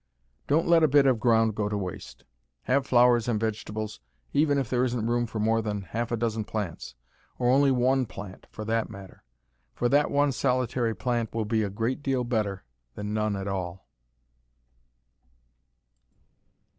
Don't let a bit of ground go to waste. Have flowers and vegetables, even if there isn't room for more than half a dozen plants or only one plant for that matter, for that one solitary plant will be a great deal better than none at all.